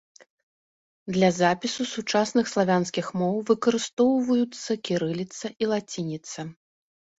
Для запісу сучасных славянскіх моў выкарыстоўваюцца кірыліца і лацініца.